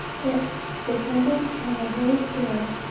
Dependence on the Holy Spirit.